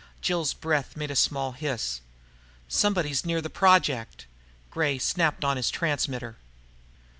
Jill's breath made a small hiss. "Somebody's near the Project...." Gray snapped on his transmitter.